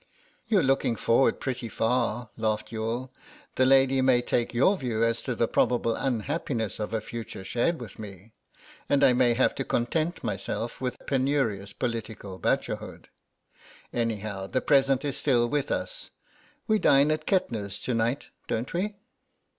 "You're looking forward pretty far," laughed Youghal; "the lady may take your view as to the probable unhappiness of a future shared with me, and I may have to content myself with penurious political bachelorhood. Anyhow, the present is still with us. We dine at Kettner's to night, don't we?"